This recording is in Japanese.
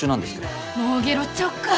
もうゲロっちゃおうか。